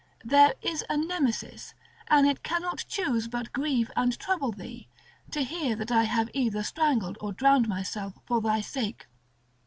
There is a Nemesis, and it cannot choose but grieve and trouble thee, to hear that I have either strangled or drowned myself for thy sake.